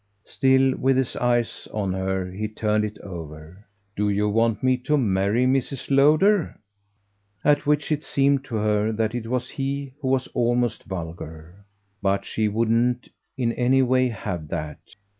Still with his eyes on her he turned it over. "Do you want me to marry Mrs. Lowder?" At which it seemed to her that it was he who was almost vulgar! But she wouldn't in any way have that.